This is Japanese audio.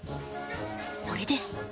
これです。